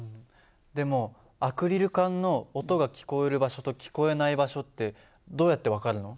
でもアクリル管の音が聞こえる場所と聞こえない場所ってどうやって分かるの？